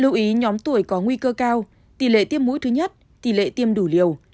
lưu ý nhóm tuổi có nguy cơ cao tỉ lệ tiêm mũi thứ nhất tỉ lệ tiêm đủ liều